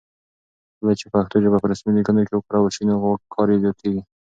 کله چې پښتو ژبه په رسمي لیکونو کې وکارول شي نو وقار یې زیاتېږي.